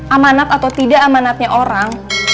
amanat atau tidak amanatnya orang